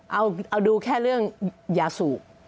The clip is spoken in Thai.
เอาดูแค่เรื่องยาสูบ